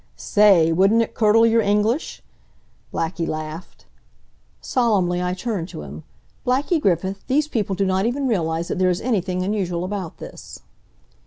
"Say, wouldn't it curdle your English?" Blackie laughed. Solemnly I turned to him. "Blackie Griffith, these people do not even realize that there is anything unusual about this."